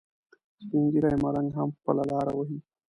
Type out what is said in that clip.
سپین ږیری ملنګ هم خپله لاره وهي.